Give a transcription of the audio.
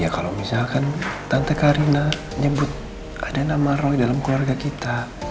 kalau misalkan tante karina nyebut ada nama roy dalam keluarga kita